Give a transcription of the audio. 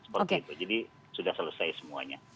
seperti itu jadi sudah selesai semuanya